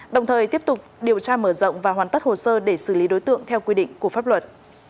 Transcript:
đồng thời tiếp tục điều tra mở rộng và hoàn tất hồ sơ để xử lý đối tượng theo quy định của pháp luật